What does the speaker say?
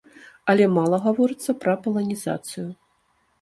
Але мала гаворыцца пра паланізацыю.